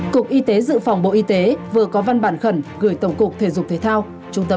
cục y tế dự phòng bộ y tế vừa có văn bản khẩn gửi tổng cục thể dục thể thao